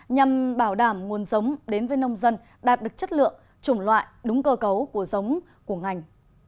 nhằm bảo đảm nguồn giống đến với nông dân đạt được chất lượng chủng loại đúng cơ cấu của giống của ngành